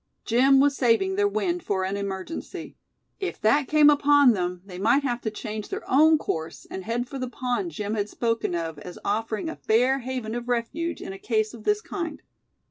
Jim was saving their wind for an emergency. If that came upon them, they might have to change their own course, and head for the pond Jim had spoken of as offering a fair haven of refuge in a case of this kind.